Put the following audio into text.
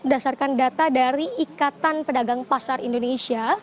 berdasarkan data dari ikatan pedagang pasar indonesia